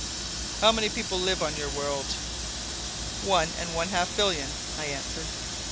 "How many people live on your world?" "One and one half billion," I answered.